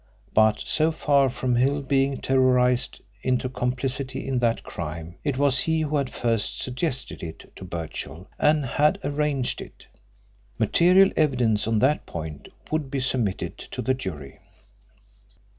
But so far from Hill being terrorised into complicity in that crime it was he who had first suggested it to Birchill and had arranged it. Material evidence on that point would be submitted to the jury.